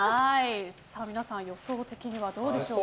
皆さん、予想的にはどうですか。